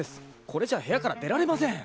これじゃあ部屋から出られません。